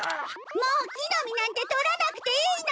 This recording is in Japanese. もう木の実なんて採らなくていいの！